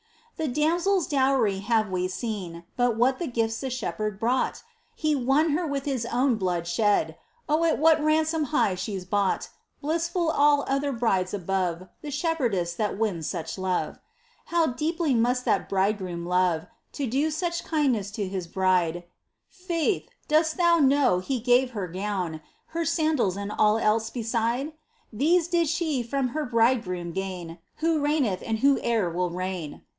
The damsel's dowry have we seen. But what the gifts the Shepherd brought ? He won her with His own blood shed ! Oh ! at what ransom high she's bought ! Blissful all other brides above The shepherdess that wins such love ! How deeply must that Bridegroom love To do such kindness to His bride ! Faith ! dost thou know He gave her gown. Her sandals and all else beside ? These did she from her Bridegroom gain Who reigneth and Who e'er will reign